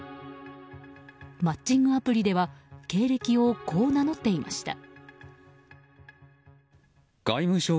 マッチングアプリでは経歴をこう名乗っていました。